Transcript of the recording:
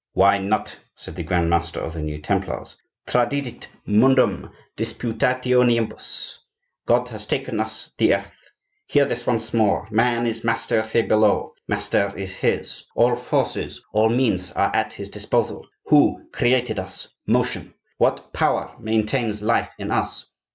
"Why not?" said the grand master of the new Templars. "Tradidit mundum disputationibus! God has given us the earth. Hear this once more: man is master here below; matter is his; all forces, all means are at his disposal. Who created us? Motion. What power maintains life in us?